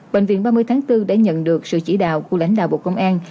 bệnh viện ba mươi tháng bốn đã nhận được sự chỉ đạo của lãnh đạo bộ công an